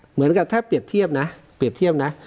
เหมือนกับถ้าเปรียบเทียบนะเปรียบเทียบนะ